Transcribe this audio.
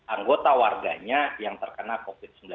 anggota warganya yang terkena covid sembilan belas